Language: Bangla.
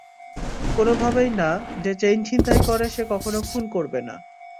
কোনভাবেই না, যে চেইন ছিনতাই করে, সে কখনো খুন করবে না।